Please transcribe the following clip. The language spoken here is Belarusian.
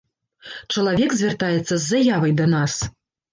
Чалавек звяртаецца з заявай да нас.